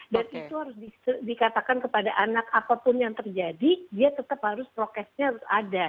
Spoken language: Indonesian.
dan itu harus dikatakan kepada anak apapun yang terjadi dia tetap harus prokesnya harus ada